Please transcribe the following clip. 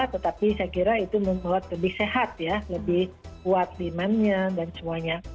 tetapi saya kira itu membuat lebih sehat ya lebih kuat demandnya dan semuanya